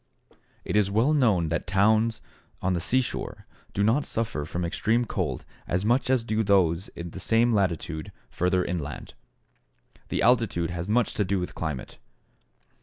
It is well known that towns on the seashore do not suffer from extreme cold as much as do those in the same latitude further inland. The altitude has much to do with climate.